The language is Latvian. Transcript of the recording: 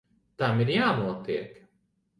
Tam ir jānotiek.